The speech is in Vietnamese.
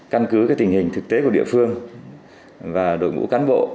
căn cứ tình hình thực tế của địa phương và đội ngũ cán bộ